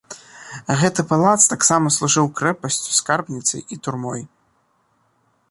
Гэты палац таксама служыў крэпасцю, скарбніцай і турмой.